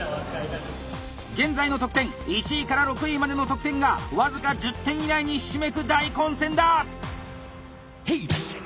現在の得点１位から６位までの得点が僅か１０点以内にひしめく大混戦だ！